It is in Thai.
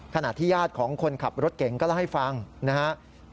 ขณะที่ญาติของคนขับรถเก่งก็เล่าให้ฟังนะครับ